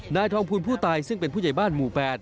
นายทองภูลผู้ตายซึ่งเป็นผู้ใหญ่บ้านหมู่๘